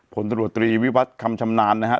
ผลตรวจตรีวิวัตรคำชำนาญนะครับ